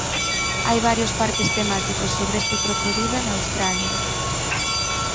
Hai varios parques temáticos sobre este crocodilo en Australia.